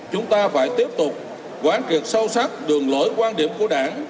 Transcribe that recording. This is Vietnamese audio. chúng ta phải tiếp tục quán triệt sâu sắc đường lối quan điểm của đảng